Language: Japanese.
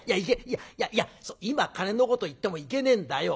いやいや今金のこと言ってもいけねんだよ。